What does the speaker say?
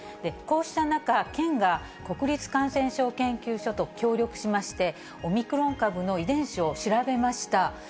こうした中、県が国立感染症研究所と協力しまして、オミクロン株の遺伝子を調べました。